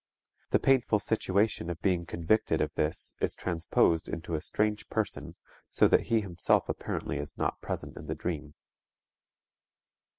The painful situation of being convicted of this is transposed into a strange person so that he himself apparently is not present in the dream.